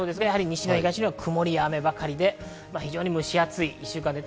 西日本や東日本は曇りや雨ばかりで非常に蒸し暑い１週間です。